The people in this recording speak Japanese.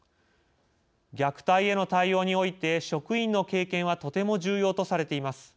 虐待への対応において職員の経験はとても重要とされています。